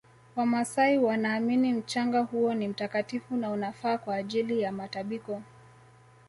wamasai wanaamini mchanga huo ni mtakatifu na unafaa kwa ajili ya matabiko